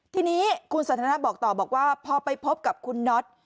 ทีนี้คุณสันทนาบอกต่อบอกว่าพอไปพบกับคุณน็อต